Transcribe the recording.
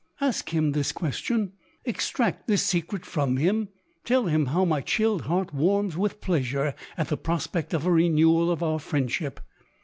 Ask him this question ;— extract this secret from him. Tell him how my chilled heart warms with pleasure at the prospect of a renewal of our friendship.